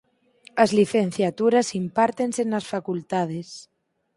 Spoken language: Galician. As licenciaturas impártense nas facultades.